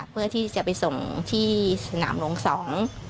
เพื่อที่จะไปส่งที่สนามหลวงสอง